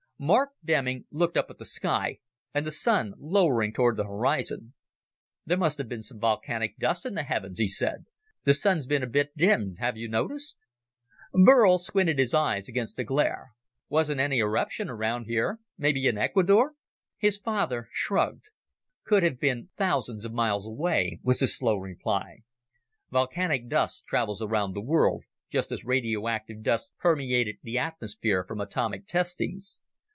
Mark Denning looked up at the sky and the Sun lowering toward the horizon. "There must have been some volcanic dust in the heavens," he said. "The Sun's been a bit dimmed, have you noticed?" Burl squinted his eyes against the glare. "Wasn't any eruption around here. Maybe in Ecuador?" His father shrugged. "Could have been thousands of miles away," was his slow reply. "Volcanic dust travels around the world, just as radioactive dust permeated the atmosphere from atomic testings.